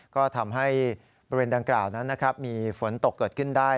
ก็ทำให้บริเวณดังกล่าวนั้นมีฝนตกเกิดขึ้นได้